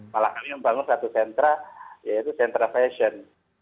malah kami membangun satu sentra yaitu sentra fashion